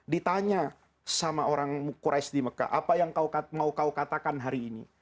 ditanya sama orang qurais di mekah apa yang mau kau katakan hari ini